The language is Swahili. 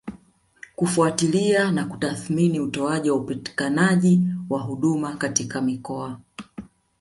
kufuatilia na kutathimini utoaji na upatikanaji wa huduma katika mikoa